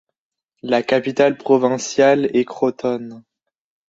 La capitale provinciale est Crotone.